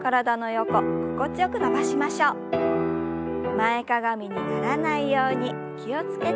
前かがみにならないように気を付けて。